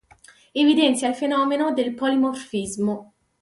Evidenzia il fenomeno del polimorfismo.